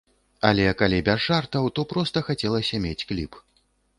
Але калі без жартаў, то проста хацелася мець кліп.